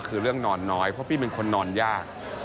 คือเรื่องนอนน้อยเพราะพี่เป็นคนนอนยาก